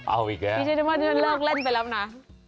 เอาอีกแล้วพี่เจ๊น้ำมันเลิกเล่นไปแล้วนะ